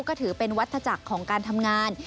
ก็ถือเป็นวัตถจักรของการทำงาน